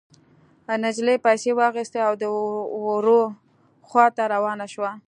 نجلۍ پيسې واخيستې او د وره خوا ته روانه شوه.